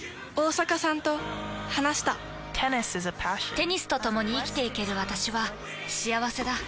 テニスとともに生きていける私は幸せだ。